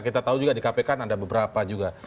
kita tahu juga di kpk kan ada beberapa juga